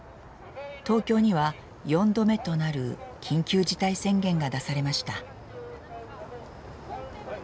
東京には４度目となる緊急事態宣言が出されました。